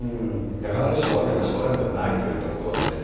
必ずしも悪い話ばかりではないということですね。